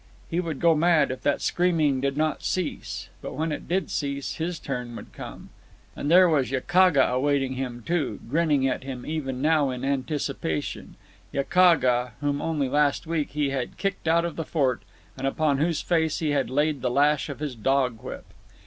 He would go mad if that screaming did not cease. But when it did cease, his turn would come. And there was Yakaga awaiting him, too, grinning at him even now in anticipation—Yakaga, whom only last week he had kicked out of the fort, and upon whose face he had laid the lash of his dog whip.